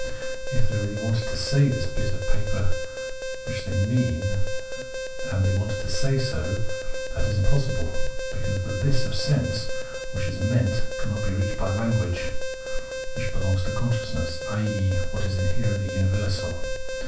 If they really wanted to say this bit of paper which they "mean," and they wanted to say so, that is impossible, because the This of sense, which is " meant," cannot be reached by language, which belongs to consciousness, i.e. to what is inherently universal.